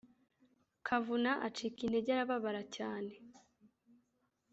kavuna acika intege arababara cyane